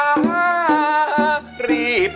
เออคือคุณป่า